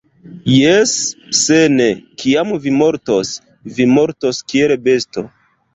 Jes! Se ne, kiam vi mortos, vi mortos kiel besto